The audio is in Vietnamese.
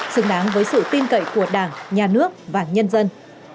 xứng đáng với sự tin cậy của đảng nhà nước và nhân dân